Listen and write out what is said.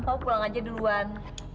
kamu pulang aja duluan